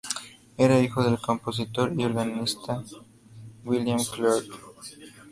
Era hijo del compositor y organista William Clarke.